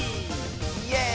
イエーイ！